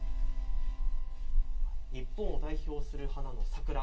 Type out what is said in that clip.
日本を代表する花の桜。